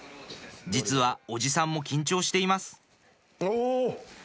実はおじさんも緊張していますお！